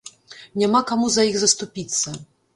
Няма каму за іх заступіцца.